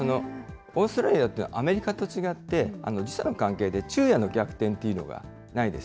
オーストラリアっていうのはアメリカと違って、時差の関係で、昼夜の逆転というのがないです。